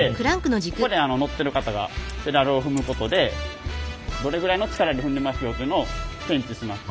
ここで乗ってる方がペダルを踏むことでどれぐらいの力で踏んでますよっていうのを検知します。